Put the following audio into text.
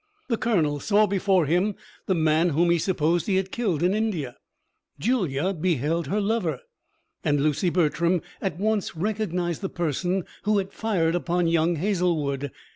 The colonel saw before him the man whom he supposed he had killed in India; Julia beheld her lover; and Lucy Bertram at once recognised the person who had fired upon young Hazlewood.